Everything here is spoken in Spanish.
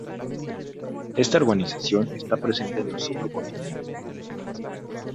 Esta organización está presente en los cinco continentes.